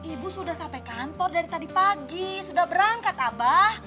ibu sudah sampai kantor dari tadi pagi sudah berangkat abah